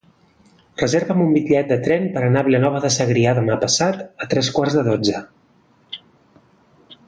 Reserva'm un bitllet de tren per anar a Vilanova de Segrià demà passat a tres quarts de dotze.